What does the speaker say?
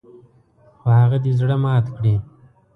خو هغه دې زړه مات کړي .